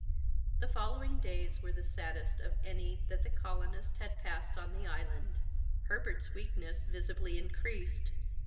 The following days were the saddest of any that the colonists had passed on the island! Herbert's weakness visibly increased.